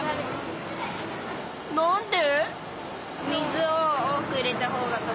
なんで？